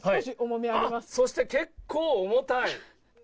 そして結構重たい。